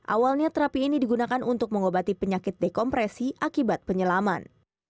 awalnya terapi ini digunakan untuk mengobati penyakit dekompresi akibat penyelaman